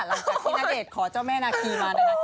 หลังจากที่ณเดชน์ขอเจ้าแม่ณเขลิกอะไร